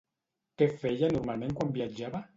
Què feia normalment quan viatjava?